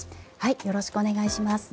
よろしくお願いします。